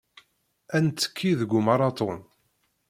Ad nettekki deg umaraṭun.